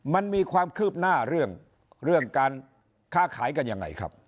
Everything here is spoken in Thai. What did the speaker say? มันมีความคืบหน้าเรื่องการค้าขายกันยังไงครับ